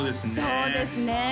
そうですね